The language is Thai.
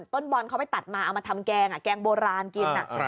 บอลเขาไปตัดมาเอามาทำแกงแกงโบราณกิน